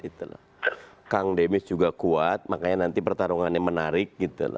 pak sudrajat memang kuat kang demis juga kuat makanya nanti pertarungannya menarik